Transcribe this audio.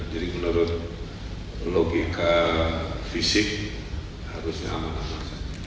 jadi menurut logika fisik harusnya aman aman